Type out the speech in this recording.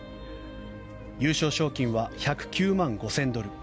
優勝賞金は１０９万５０００ドル